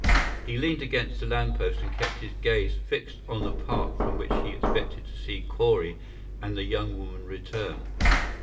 He leaned against the lamp post and kept his gaze fixed on the part from which he expected to see Corley and the young woman return.